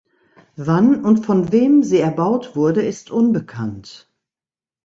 Wann und von wem sie erbaut wurde, ist unbekannt.